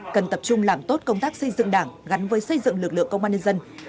cần tập trung làm tốt công tác xây dựng đảng gắn với xây dựng lực lượng công an nhân dân